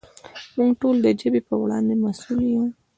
موږ ټول د ژبې په وړاندې مسؤل یو.